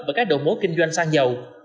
và các đội mối kinh doanh xăng dầu